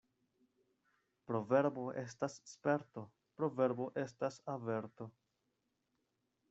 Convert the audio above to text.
Proverbo estas sperto, proverbo estas averto.